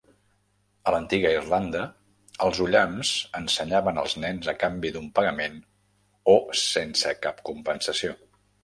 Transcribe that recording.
A l'antiga Irlanda els ollams ensenyaven als nens a canvi d'un pagament o sense cap compensació.